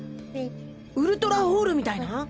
ウルトラホールみたいな？